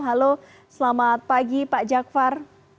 halo selamat pagi pak jakfar